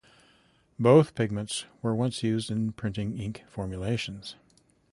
Both pigments were once used in printing ink formulations.